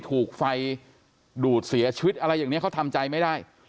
ถูกไฟดูดเสียชีวิตอะไรอย่างนี้เขาทำใจไม่ได้